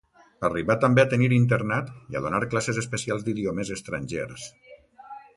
Arribà també a tenir internat i a donar classes especials d'idiomes estrangers.